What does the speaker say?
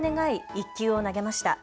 １球を投げました。